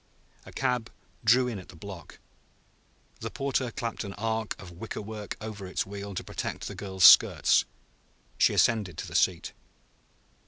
A cab drew in at the block. The porter clapped an arc of wickerwork over its wheel to protect the girl's skirts. She ascended to the seat.